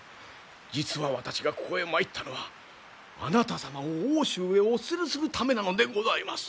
実は私がここへ参ったのはあなた様を奥州へお連れするためなのでございます。